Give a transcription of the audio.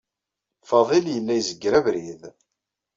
Fadil yella izegger abrid.